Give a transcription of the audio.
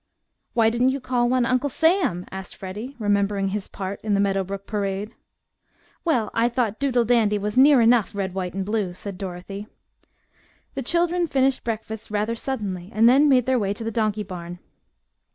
"Why didn't you call one Uncle Sam?" asked Freddie, remembering his part in the Meadow Brook parade. "Well, I thought Doodle Dandy was near enough red, white, and blue," said Dorothy. The children finished breakfast rather suddenly and then made their way to the donkey barn.